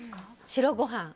白ご飯。